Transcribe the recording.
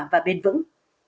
và bình vững